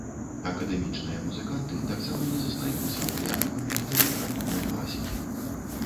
Акадэмічныя музыканты таксама не застаюцца абыякавымі да літаратурнай класікі.